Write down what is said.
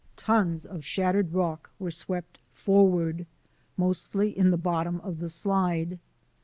Tons of shattered rock were swept forward, mostly in the bottom of the slide.